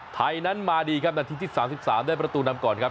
ไทยนั้นมาดีครับนาทีที่๓๓ได้ประตูนำก่อนครับ